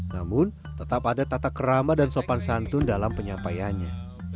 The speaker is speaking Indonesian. namun tetap ada tata kerama dan sopan santun dalam penyampaiannya